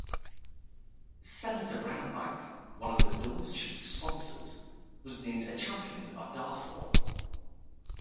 Senator Brownback, one of the bill's chief sponsors, was named a champion of Darfur.